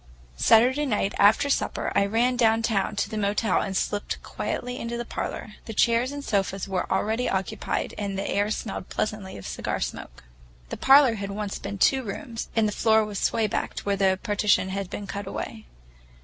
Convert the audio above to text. Saturday night after supper I ran downtown to the hotel and slipped quietly into the parlor. The chairs and sofas were already occupied, and the air smelled pleasantly of cigar smoke. The parlor had once been two rooms, and the floor was sway backed where the partition had been cut away.